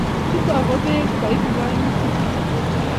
Chuto kobek koibu koimutik chechang